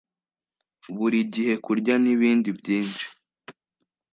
burigihe kurya nibindi byinshi